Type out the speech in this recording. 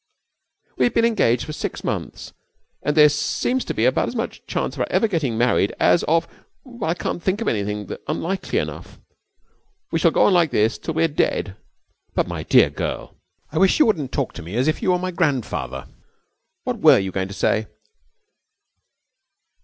'We have been engaged for six months, and there seems about as much chance of our ever getting married as of I can't think of anything unlikely enough. We shall go on like this till we're dead.' 'But, my dear girl!' 'I wish you wouldn't talk to me as if you were my grandfather. What were you going to say?'